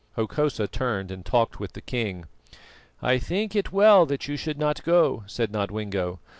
Hokosa turned and talked with the king. "I think it well that you should not go," said Nodwengo.